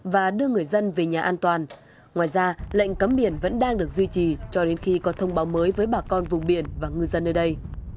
và đưa người dân về nhà an toàn ngoài ra lệnh cấm biển vẫn đang được duy trì cho đến khi có thông báo mới với bà con vùng biển và ngư dân nơi đây